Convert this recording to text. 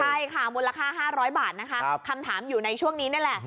ใช่ค่ะมูลค่า๕๐๐บาทนะคะคำถามอยู่ในช่วงนี้นี่แหละ